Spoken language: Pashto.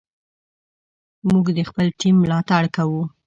موږ د خپل ټیم ملاتړ کوو.